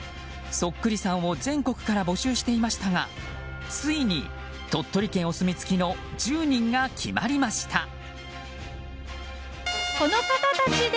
そっくりさんを全国から募集していましたがついに鳥取県お墨付きの１０人が決まりました。